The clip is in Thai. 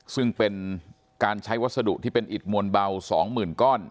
ซึ่งเป็นการใช้วัสดุที่เป็นอิดมวลเบา๒๐๐๐ก้อน